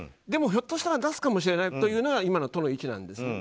でもひょっとしたら出すかもしれないというのが今の都の位置なんです。